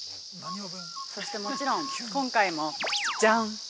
そしてもちろん、今回もじゃん！